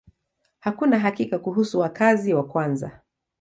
Hakuna hakika kuhusu wakazi wa kwanza.